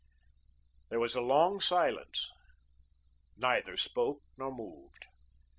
There was a long silence. Neither spoke nor moved.